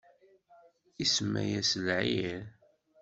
isemma-yas Ɛir.